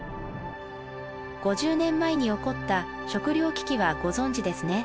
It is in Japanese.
５０年前に起こった食料危機はご存じですね？